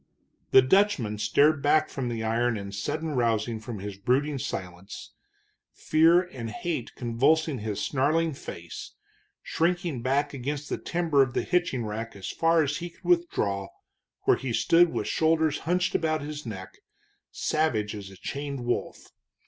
The Dutchman started back from the iron in sudden rousing from his brooding silence, fear and hate convulsing his snarling face, shrinking back against the timber of the hitching rack as far as he could withdraw, where he stood with shoulders hunched about his neck, savage as a chained wolf.